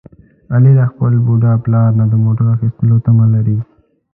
علي له خپل بوډا پلار نه د موټر اخیستلو تمه لري.